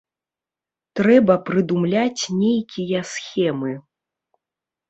Трэба прыдумляць нейкія схемы.